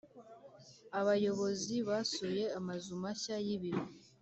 Abayobozi basuye amazu mashya y’ ibiro